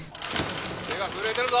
腕が震えてるぞ。